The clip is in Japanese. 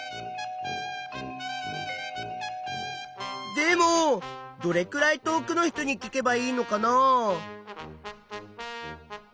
でもどれくらい遠くの人に聞けばいいのかな？